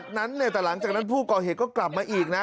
ครับแต่หลังจากนั้นผู้ก่อเหตุก็กลับมาอีกนะ